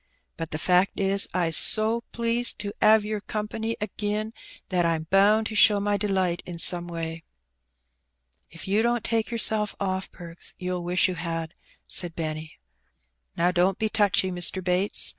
But the fact is, I's so pleased to 'ave yer company agin that I'm bound to show my delight in some way." '^If you don't take yourself off. Perks, you'll wish you had," said Benny. "Now, don't be touchy, Mr. Bates.